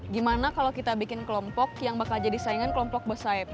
gimana kalau kita bikin kelompok yang bakal jadi saingan kelompok besaib